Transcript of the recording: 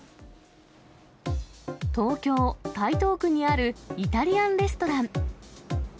東京・台東区にあるイタリアンレストラン。